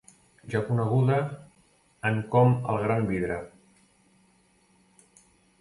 Ja coneguda en com el gran vidre.